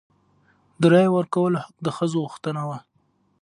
د رایې ورکولو حق د ښځو غوښتنه وه.